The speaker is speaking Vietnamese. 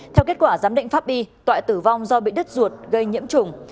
theo kết quả giám định pháp y toại tử vong do bị đứt ruột gây nhiễm chủng